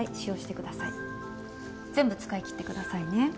全部使い切ってくださいね。